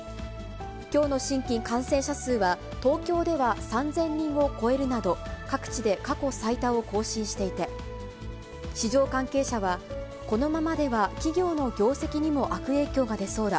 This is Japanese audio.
きょうの新規感染者数は、東京では３０００人を超えるなど、各地で過去最多を更新していて、市場関係者は、このままでは企業の業績にも悪影響が出そうだ。